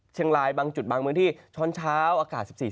เชียงรายบางจุดบางเมืองที่ช้อนเช้าอากาศ๑๔๑๕